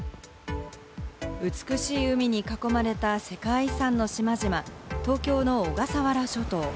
美しい海に囲まれた世界遺産の島々、東京の小笠原諸島。